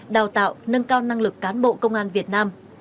đào tạo nâng cao năng lực cán bộ công an việt nam